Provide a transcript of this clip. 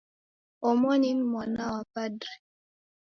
Omoni ni mwana wa padri.